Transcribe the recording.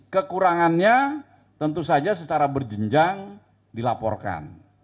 kekurangannya tentu saja secara berjenjang dilaporkan